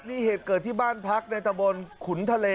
นี่เหตุเกิดที่บ้านพักในตะบนขุนทะเล